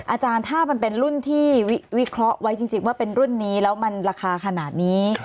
อาจารย์ถ้ามันเป็นรุ่นที่วิเคราะห์ไว้จริงว่าเป็นรุ่นนี้แล้วมันราคาขนาดนี้